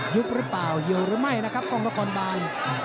ยุบหรือเปล่าเยียวหรือไม่นะครับกล้องละครบาน